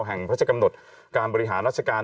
แห่งพระราชกำหนดการบริหารราชการ